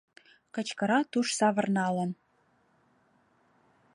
Кычкыра туш савырналын: